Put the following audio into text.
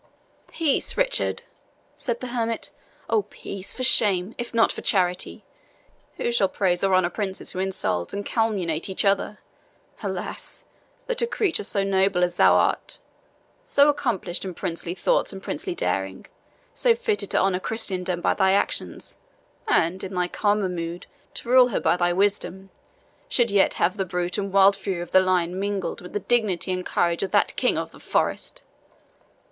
"Peace, Richard," said the hermit "oh, peace, for shame, if not for charity! Who shall praise or honour princes who insult and calumniate each other? Alas! that a creature so noble as thou art so accomplished in princely thoughts and princely daring so fitted to honour Christendom by thy actions, and, in thy calmer mood, to rule her by thy wisdom, should yet have the brute and wild fury of the lion mingled with the dignity and courage of that king of the forest!"